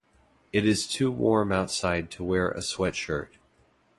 It is too warm outside to wear a sweatshirt.